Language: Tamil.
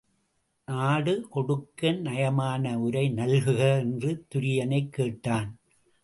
நாடு கொடுக்க நயமான உரை நல்குக என்று துரியனைக் கேட்டான்.